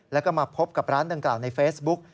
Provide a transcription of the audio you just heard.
แล้วก็มาพบกับร้านดังกล่าวในเฟซบุ๊ก